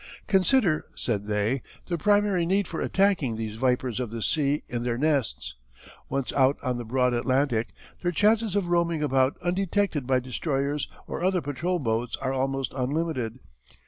Consider [said they] the primary need for attacking these vipers of the sea in their nests. Once out on the broad Atlantic their chances of roaming about undetected by destroyers or other patrol boats are almost unlimited.